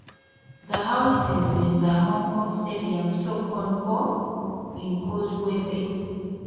The House is in the Hong Kong Stadium, So Kon Po in Causeway Bay.